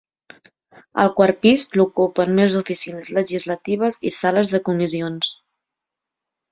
El quart pis l'ocupen més oficines legislatives i sales de comissions.